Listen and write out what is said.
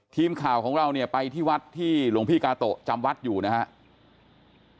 ทีมข่าวของเราเนี่ยไปที่วัดที่หลวงพี่กาโตะจำวัดอยู่นะครับ